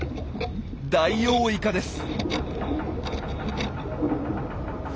ダイオウイカです！